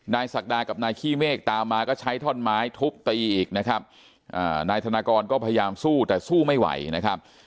ศักดากับนายขี้เมฆตามมาก็ใช้ท่อนไม้ทุบตีอีกนะครับนายธนากรก็พยายามสู้แต่สู้ไม่ไหวนะครับ